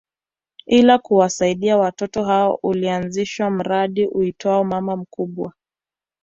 Ili kuwasaidia watoto hao ulianzishwa mradi uitwao Mama Mkubwa